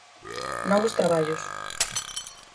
Novos traballos.